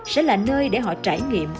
sẽ là nơi để họ trải nghiệm